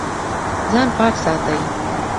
ځان پاک ساتئ